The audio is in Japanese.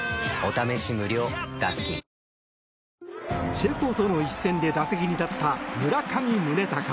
チェコとの一戦で打席に立った村上宗隆。